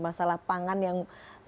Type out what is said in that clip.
masalah pangan yang